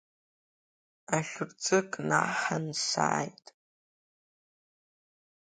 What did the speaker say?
Ахьурӡы кнаҳан сааит.